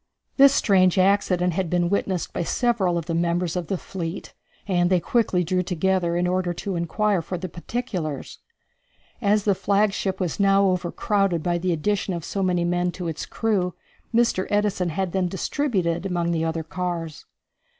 This strange accident had been witnessed by several of the members of the fleet, and they quickly drew together, in order to inquire for the particulars. As the flagship was now overcrowded by the addition of so many men to its crew, Mr. Edison had them distributed among the other cars.